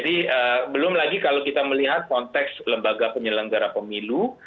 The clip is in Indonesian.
belum lagi kalau kita melihat konteks lembaga penyelenggara pemilu